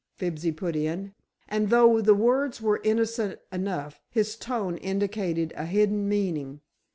Fibsy put in, and though the words were innocent enough, his tone indicated a hidden meaning.